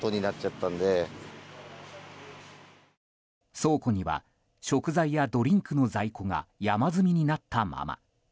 倉庫には食材やドリンクの在庫が山積みになったまま。